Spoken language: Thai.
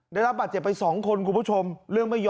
แต่บนเสาเผา